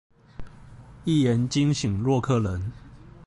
一言驚醒洛克人